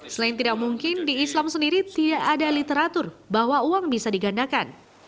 selain tidak mungkin di islam sendiri tidak ada literatur bahwa uang bisa digandakan